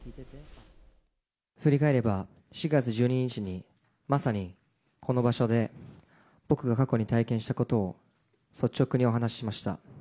振り返れば４月１２日に、まさにこの場所で、僕が過去に体験したことを率直にお話ししました。